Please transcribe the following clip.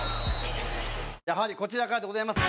やはりこちらからでございます。